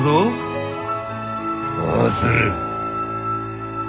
どうする？